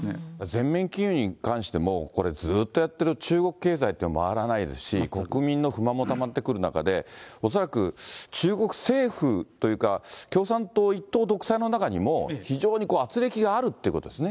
全面禁輸に関しても、これ、ずっとやっている中国経済というのは回らないですし、国民の不満もたまってくる中で、恐らく中国政府というか、共産党一党独裁の中にも、非常にあつれきがあるということですね。